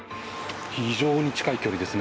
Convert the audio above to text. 非常に近い距離です